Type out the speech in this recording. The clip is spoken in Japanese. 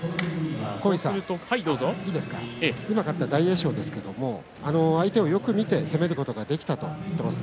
今、勝った大栄翔ですけれども相手をよく見て攻めることができたと言っています。